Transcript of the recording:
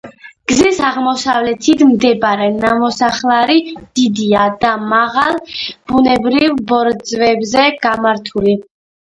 გზის აღმოსავლეთით მდებარე ნამოსახლარი დიდია და მაღალ, ბუნებრივ ბორცვზეა გამართული.